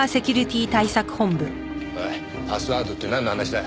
おいパスワードってなんの話だ？